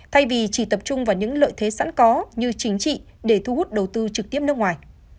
thay vì chỉ tập trung vào những lợi thế sẵn có như chính trị để thu hút đầu tư trực tiếp nước ngoài